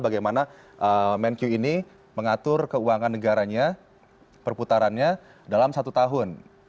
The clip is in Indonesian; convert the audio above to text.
bagaimana menq ini mengatur keuangan negaranya perputarannya dalam satu tahun